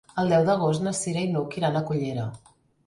El deu d'agost na Cira i n'Hug iran a Cullera.